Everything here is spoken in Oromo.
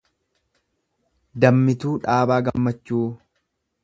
Dammituu Dhaabaa Gammachuu